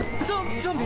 ゾンビ⁉